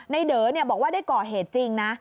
เด๋อบอกว่าได้ก่อเหตุจริงนะ